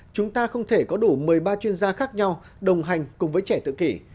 chúng ta không thể có đủ một mươi ba chuyên gia khác nhau đồng hành cùng với trẻ tự kỷ